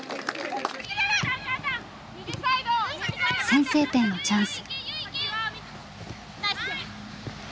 先制点のチャンス。